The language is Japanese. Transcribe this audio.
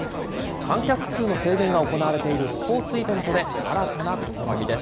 観客数の制限が行われているスポーツイベントで、新たな試みです。